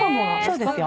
そうですよ。